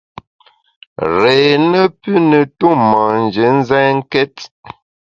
Réé ne pü ne tu manjé nzènkét !